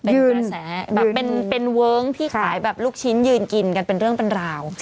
เป็นกระแสแบบเป็นเวิ้งที่ขายแบบลูกชิ้นยืนกินกันเป็นเรื่องเป็นราว